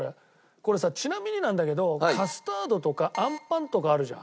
これさちなみになんだけどカスタードとかあんパンとかあるじゃん。